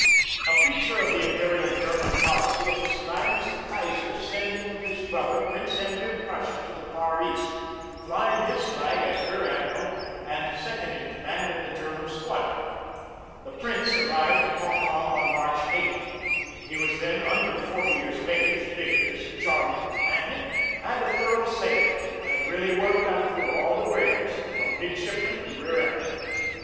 A feature of the imperial German policy at this time was the Kaiser's sending of his brother Prince Henry of Prussia to the Far East, flying his flag as a rear admiral and second in command of the Ger man squadron. The prince arrived at Hong Kong on March 8. He was then under forty years of age, vigorous, a charming companion, and a thorough sailor who had really worked up through all the grades from midshipman to rear admiral.